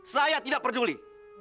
saya tidak peduli